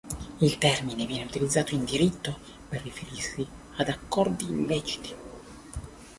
Il termine viene utilizzato in diritto per riferirsi ad accordi illeciti.